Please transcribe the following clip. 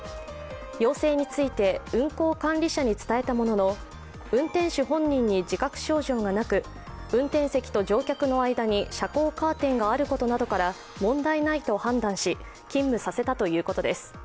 陽性について、運行管理者に伝えたものの、運転手本人に自覚症状がなく運転席と乗客の間に遮光カーテンがあることなどから問題ないと判断し勤務させたということです。